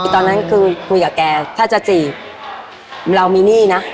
ตอนนั้นคือคุยกับแกถ้าจะจีบเรามีหนี้นะ